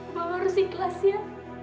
abang harus ikhlas ya